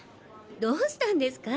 どうしたんですか？